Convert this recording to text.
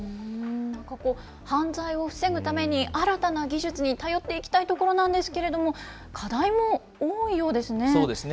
犯罪を防ぐために、新たな技術に頼っていきたいところなんですけれども、課題も多いようですね。